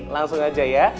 langsung aja ya